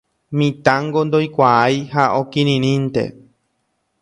Mitãngo ndoikuaái ha okirirĩnte.